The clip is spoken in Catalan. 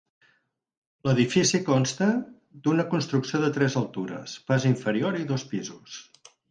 L'edifici consta d'una construcció de tres altures, pas inferior i dos pisos.